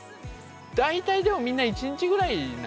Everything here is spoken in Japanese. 大体でもみんな１日ぐらいなんですね。